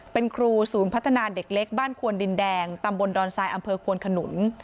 เป็นครูศูนย์พัฒนาเด็กเล็กบ้านควนดินแดงตำบลดอนทรายอำเภอควนขนุน